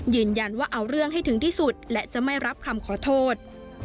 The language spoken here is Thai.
ยืนยันว่าเอาเรื่องให้ถึงที่สุดและจะไม่รับคำขอโทษ